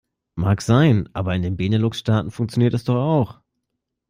Mag sein, aber in den Benelux-Staaten funktioniert es doch auch.